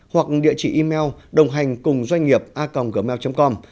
hoặc địa chỉ email đồnghànhcungdoanhnghiệpaconggmail com